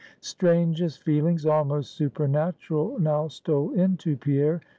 Strangest feelings, almost supernatural, now stole into Pierre.